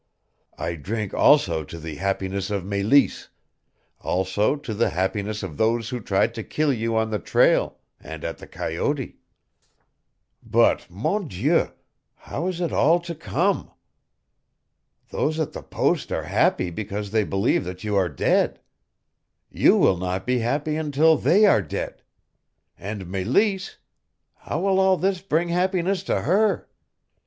I drink also to the happiness of Meleese, also to the happiness of those who tried to kill you on the trail and at the coyote. But, Mon Dieu, how is it all to come? Those at the post are happy because they believe that you are dead. You will not be happy until they are dead. And Meleese how will all this bring happiness to her?